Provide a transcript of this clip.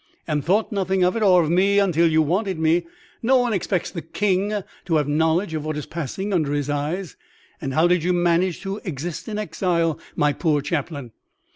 "And thought nothing of it or of me until you wanted me. No one expects the King to have knowledge of what is passing under his eyes." "And how did you manage to exist in exile, my poor chaplain?"